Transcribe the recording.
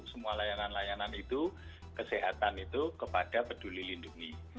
semua layanan layanan itu kesehatan itu kepada peduli lindungi